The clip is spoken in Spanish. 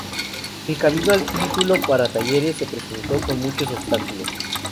El camino al título para Talleres se presentó con muchos obstáculos.